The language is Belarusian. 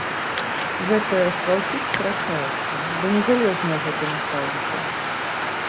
Гэтыя астраўкі скарачаюцца, бо не жалезныя гэтыя настаўнікі.